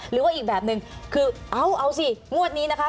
หรือว่าอีกแบบนึงคือเอาสิงวดนี้นะคะ